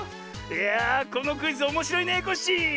いやぁこのクイズおもしろいねコッシー！